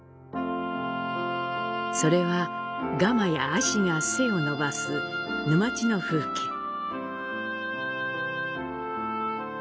それは、ガマやアシが背を伸ばす沼地の風景。